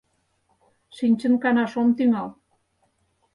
Шинчын канаш ом тӱҥал.